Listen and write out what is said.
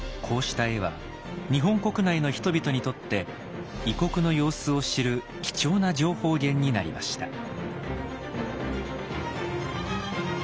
こうした絵は日本国内の人々にとって異国の様子を知る貴重な情報源になりました。